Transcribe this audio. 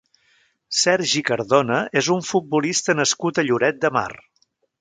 Sergi Cardona és un futbolista nascut a Lloret de Mar.